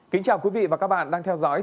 kính chào quý vị và các bạn đang theo dõi